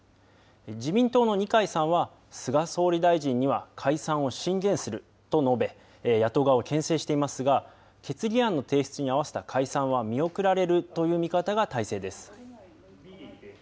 自民党の二階さんは、菅総理大臣には解散を進言すると述べ、野党側をけん制していますが、決議案の提出に合わせた解散は見送られるという見方が大勢です。